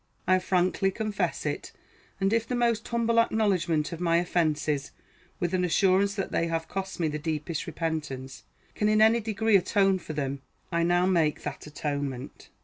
I frankly confess it; and if the most humble acknowledgment of my offences, with an assurance that they have cost me the deepest repentance, can in any degree atone for them, I now make that atonement.